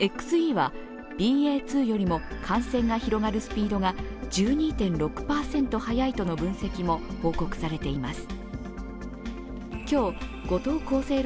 ＸＥはＢＡ．２よりも感染が広がるスピードが１２．６％速いとの分析も報告されています。